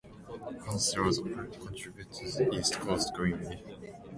Paths through the park contribute to the East Coast Greenway.